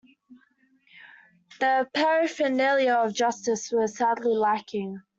The paraphernalia of justice were sadly lacking.